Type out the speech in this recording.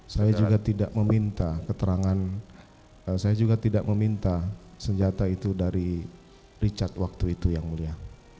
saya juga tidak meminta keterangan saya juga tidak meminta senjata itu dari richard waktu itu yang mulia